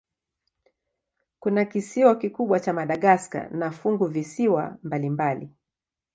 Kuna kisiwa kikubwa cha Madagaska na funguvisiwa mbalimbali.